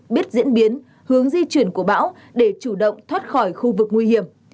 biết diễn biến hướng di chuyển của bão để chủ động thoát khỏi khu vực nguy hiểm